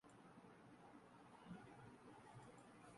তখন এ অঞ্চলের নাম ছিল রিয়াংদেশ।